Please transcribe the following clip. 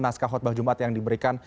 naskah khutbah jumat yang diberikan